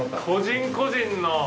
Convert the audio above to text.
個人個人の。